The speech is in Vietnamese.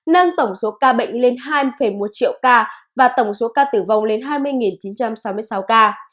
nâng tổng số ca bệnh lên hai một triệu ca và tổng số ca tử vong lên hai mươi chín trăm sáu mươi sáu ca